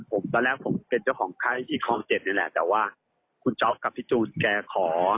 ผมตอนแรกผมเป็นเจ้าของไข้ที่คลอง๗นี่แหละแต่ว่าคุณจ๊อปกับพี่จูนแกขอ